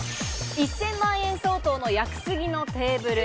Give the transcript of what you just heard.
１０００万円相当の屋久杉のテーブル。